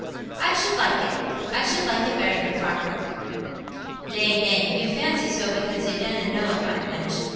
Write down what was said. "I should like it—I should like it better than farm work." "Nay, nay; you fancy so because you donna know it, my wench.